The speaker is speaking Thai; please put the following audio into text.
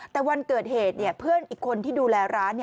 แต่วันเกิดเหตุเพื่อนอีกคนที่ดูแลร้าน